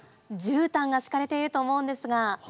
絨毯が敷かれていると思うんですが。